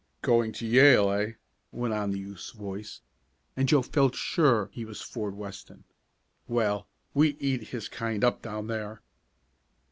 "Going to Yale; eh?" went on the youth's voice, and Joe felt sure he was Ford Weston. "Well, we eat his kind up down there!"